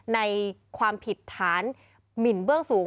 ในความผิดฐานหมินเบื้องสูง